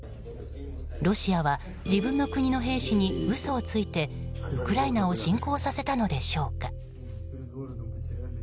ロシアは自分の国の兵士に嘘をついてウクライナを侵攻させたのでしょうか。